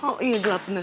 oh iya gelap bener